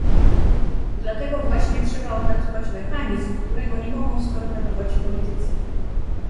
Dlatego właśnie trzeba opracować mechanizm, którego nie mogą storpedować politycy